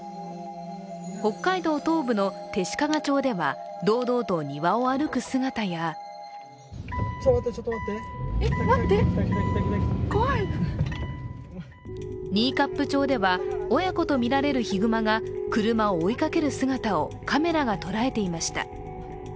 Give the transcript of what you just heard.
北海道東部の弟子屈町では堂々と庭を歩く姿や新冠町では親子とみられるヒグマが車を追いかける姿をカメラが捉えていました。